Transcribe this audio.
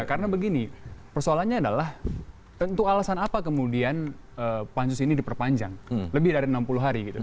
karena begini persoalannya adalah tentu alasan apa kemudian pansus ini diperpanjang lebih dari enam puluh hari gitu